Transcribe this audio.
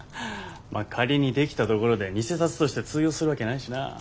まあ仮にできたところで偽札として通用するわけないしな。